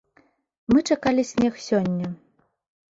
Мы чакалі снег сёння.